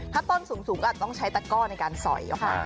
ถ้าต้นสูงก็อาจต้องใช้ตะก้อในการสอยออกมา